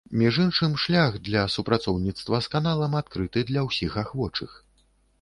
Між іншым, шлях для супрацоўніцтва з каналам адкрыты для ўсіх ахвочых.